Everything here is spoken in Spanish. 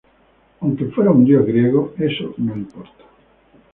Aunque fuera un dios griego, eso no importa.